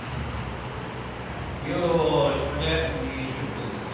よしこれで２０個ですかね。